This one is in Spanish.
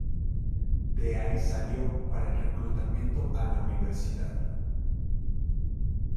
De ahí salió para el reclutamiento a la universidad.